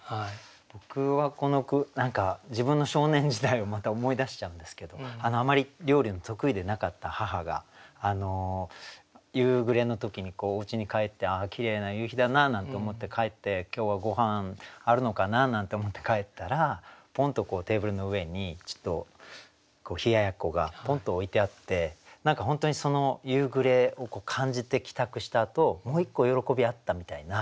僕はこの句何か自分の少年時代をまた思い出しちゃうんですけどあまり料理の得意でなかった母が夕暮れの時にうちに帰ってああきれいな夕日だななんて思って帰って今日はごはんあるのかななんて思って帰ったらポンとテーブルの上に冷奴がポンと置いてあって何か本当に夕暮れを感じて帰宅したあともう一個喜びあったみたいな。